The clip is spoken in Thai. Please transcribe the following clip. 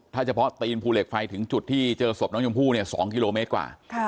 ถ้าเฉพาะตีนภูเหล็กไฟถึงจุดที่เจอศพน้องชมพู่เนี่ย๒กิโลเมตรกว่า